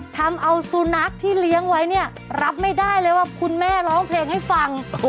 ทหารเธอว่าคุณแม่ร้องเพลงให้ฟัง